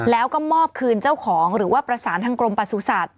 แล้วก็มอบคืนเจ้าของหรือว่าประสานทางกรมประสุทธิ์